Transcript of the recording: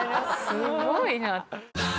すごいな。